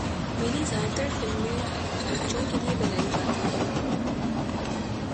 میری زیادہ تر فلمیں بچوں کیلئے بنائی جاتی ہیں